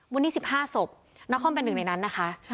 วันนี้สิบห้าศพน่าความเป็นหนึ่งในนั้นนะคะใช่